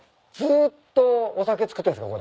ずっとお酒造ってんすか？